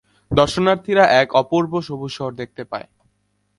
দর্শনার্থীরা এক অপূর্ব সবুজ শহর দেখতে পায়।